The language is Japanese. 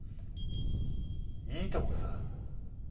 「いいともさ」。